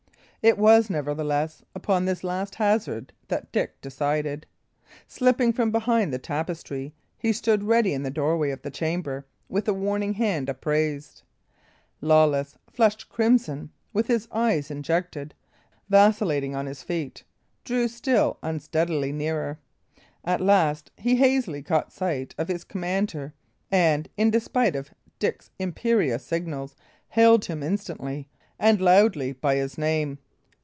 It was, nevertheless, upon this last hazard that Dick decided. Slipping from behind the tapestry, he stood ready in the doorway of the chamber, with a warning hand upraised. Lawless, flushed crimson, with his eyes injected, vacillating on his feet, drew still unsteadily nearer. At last he hazily caught sight of his commander, and, in despite of Dick's imperious signals, hailed him instantly and loudly by his name.